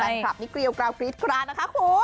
โดยแฟนคลับนิกรีวกราวคลิดกรานะคะคุณ